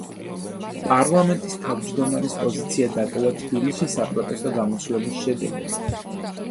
პარლამენტის თავმჯდომარის პოზიცია დატოვა თბილისში საპროტესტო გამოსვლების შედეგად.